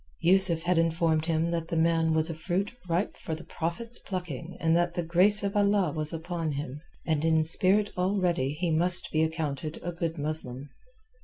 Yusuf had informed him that the man was a fruit ripe for the Prophet's plucking, that the grace of Allah was upon him, and in spirit already he must be accounted a good Muslim.